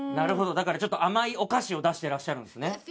だから甘いお菓子を出してらっしゃるんですね。